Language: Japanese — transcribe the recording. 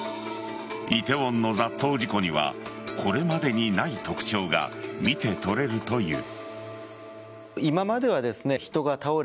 梨泰院の雑踏事故にはこれまでにない特徴が見て取れるという。